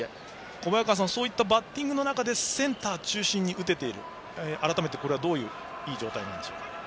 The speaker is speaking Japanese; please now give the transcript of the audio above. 小早川さん、バッティングの中でセンター中心に打てているのは改めてこれはいい状態なんでしょうか。